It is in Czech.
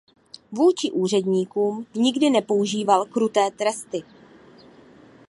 Vůči úředníkům nikdy nepoužíval kruté tresty.